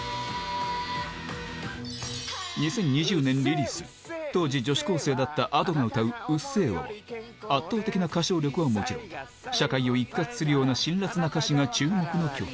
２０２０年リリース当時女子高生だった Ａｄｏ が歌う『うっせぇわ』は圧倒的な歌唱力はもちろん社会を一喝するような辛辣な歌詞が注目の曲